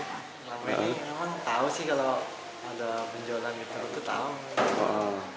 tahu sih kalau ada benjolan gitu tahu